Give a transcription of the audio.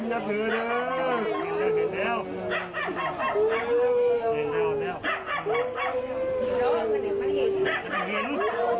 เห็น